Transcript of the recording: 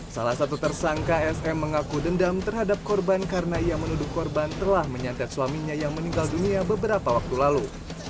salah satu tersangka sm mengaku dendam terhadap korban karena ia menuduh korban telah menyantet suaminya yang meninggal dunia beberapa waktu lalu